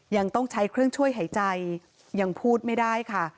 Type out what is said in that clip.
ยังต้องใช้เครื่องช่วยหายใจยังพูดไม่ได้ค่ะ